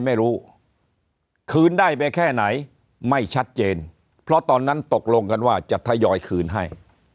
ไม่รู้คืนได้ไปแค่ไหนไม่ชัดเจนเพราะตอนนั้นตกลงกันว่าจะทยอยคืนให้